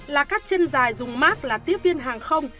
là các chân dài dùng mát là tiếp viên hàng không